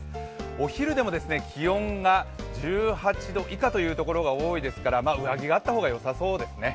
お昼でも気温が１８度以下というところが多いですから上着があった方がよさそうですね。